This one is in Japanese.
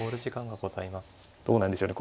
どうなんでしょうね